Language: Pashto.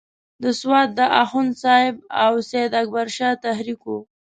د سوات د اخوند صاحب او سید اکبر شاه تحریک وو.